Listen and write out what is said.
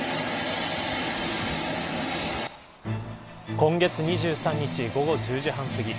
今月２３日午後１０時半すぎ